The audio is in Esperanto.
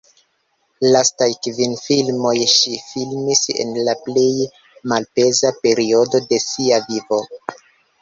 Lastaj kvin filmoj ŝi filmis en la plej malpeza periodo de sia vivo.